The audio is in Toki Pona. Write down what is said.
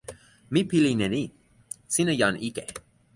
mi pilin e ni: sina jan ike.